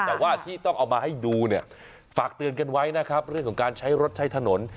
แต่ว่าที่ต้องเอามาให้ดูเนี่ยฝากเตือนกันไว้นะครับเรื่องของการใช้รถใช้ถนน